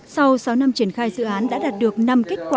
sau sáu năm triển khai dự án đã đạt được năm kết quả triển khai